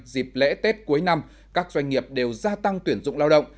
dịp lễ tết cuối năm các doanh nghiệp đều gia tăng tuyển dụng lao động